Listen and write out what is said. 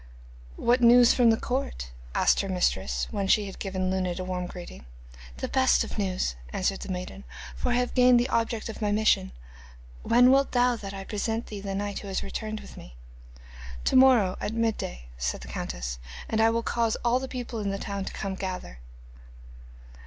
'What news from the court?' asked her mistress, when she had given Luned a warm greeting. 'The best of news,' answered the maiden, 'for I have gained the object of my mission. When wilt thou that I present to thee the knight who has returned with me?' 'To morrow at midday,' said the countess, 'and I will cause all the people in the town to come together.